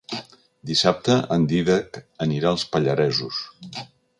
Dissabte en Dídac anirà als Pallaresos.